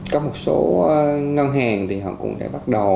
có một số ngân hàng thì họ cũng đã bắt đầu